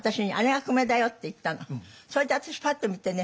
そしたらそれで私パッと見てね